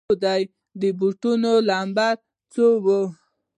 د بوټو نمبر يې څو و